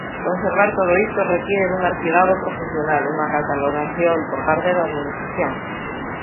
Conservar todo iso require dun arquivado profesional, unha catalogación por parte da Administración.